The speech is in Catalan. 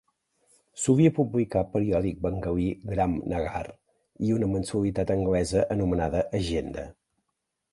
Solia publicar periòdic bengalí "Gram-Nagar" i una mensualitat anglesa anomenada "Agenda".